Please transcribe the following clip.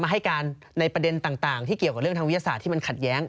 ให้การในประเด็นต่างที่เกี่ยวกับเรื่องทางวิทยาศาสตร์ที่มันขัดแย้ง